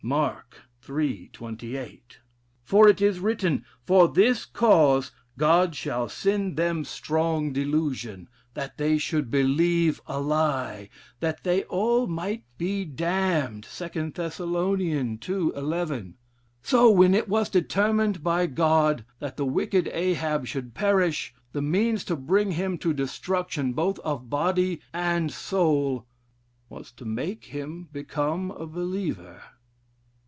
Mark iii. 28. For it is written, 'For this cause God shall send them strong delusion, that they should believe a lie: that they all might be damned.' 2 Thessal. ii. 11. So when it was determined by God that the wicked Ahab should perish, the means to bring him to destruction, both of body and soul, was to make him become a believer.